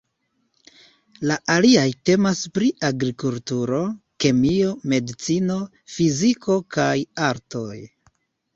La aliaj temas pri Agrikulturo, Kemio, Medicino, Fiziko kaj Artoj.